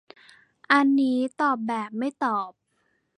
อันนี้ตอบแบบไม่ตอบ